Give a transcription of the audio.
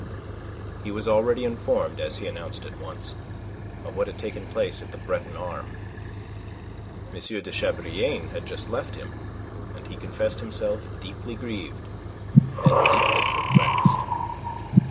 He was already informed, as he announced at once, of what had taken place at the Breton arme. M. de Chabrillane had just left him, and he confessed himself deeply grieved and deeply perplexed.